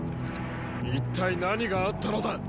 一体何があったのだ